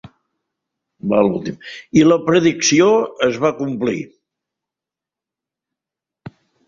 I la predicció es va complir.